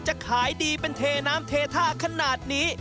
จะขายดีเป็นเทน้ำเทท่าขนาดนี้